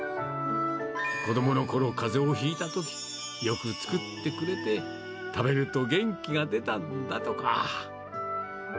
子どものころ、かぜをひいたときよく作ってくれて、食べると元気が出たんだとか。